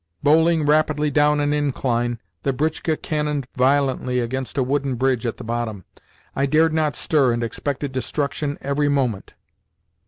Bowling rapidly down an incline, the britchka cannoned violently against a wooden bridge at the bottom. I dared not stir and expected destruction every moment.